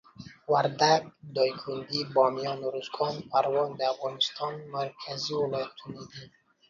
وردګ، دایکندي، بامیان، اروزګان، پروان د افغانستان مرکزي ولایتونه دي.